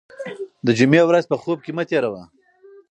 د جمعې ورځ په خوب کې مه تېروه.